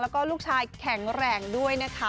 แล้วก็ลูกชายแข็งแรงด้วยนะคะ